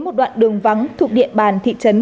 một đoạn đường vắng thuộc địa bàn thị trấn